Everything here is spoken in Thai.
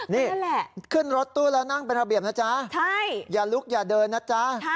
นี่ขึ้นรถตู้แล้วนั่งเป็นระเบียบนะจ๊ะอย่าลุกอย่าเดินนะจ๊ะ